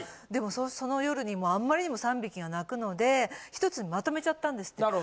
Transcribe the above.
でもその夜にあまりにも３匹が鳴くのでひとつにまとめちゃったんですって。